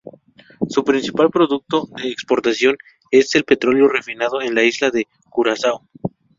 Su principal producto de exportación es el petróleo refinado en la isla de Curazao.